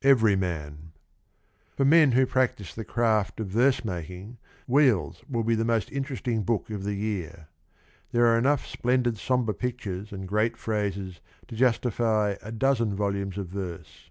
EVERYMAN. For men who practice the craft of verse making, 'Wheels' will be the most interesting book of the year. ... There are enough splendid sombre pictures and great phrases to justify a dozen volumes of verse.